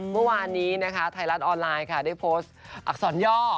เมื่อวานนี้นะคะไทยรัฐออนไลน์ค่ะได้โพสต์อักษรย่อ